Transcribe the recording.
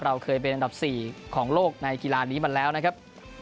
เราเคยเป็นอันดับ๔ของโลกในกีฬานี้มาแล้วนะครับ